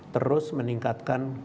terus meningkatkan kesehatan